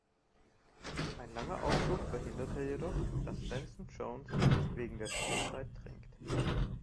Ein langer Aufschub verhinderte jedoch, dass Benson Jones wegen der Spielzeit drängte.